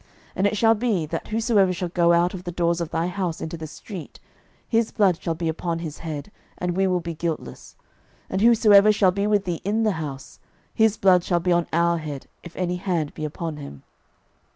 06:002:019 And it shall be, that whosoever shall go out of the doors of thy house into the street, his blood shall be upon his head, and we will be guiltless: and whosoever shall be with thee in the house, his blood shall be on our head, if any hand be upon him.